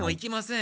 ん？